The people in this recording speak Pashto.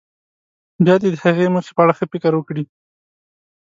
بیا دې د هغې موخې په اړه ښه فکر وکړي.